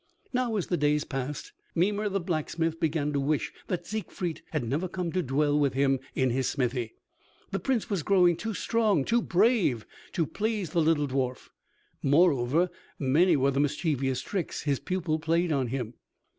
Now as the days passed, Mimer the blacksmith began to wish that Siegfried had never come to dwell with him in his smithy. The Prince was growing too strong, too brave to please the little dwarf; moreover, many were the mischievous tricks his pupil played on him.